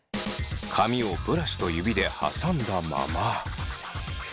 髪をブラシと指ではさんだまま。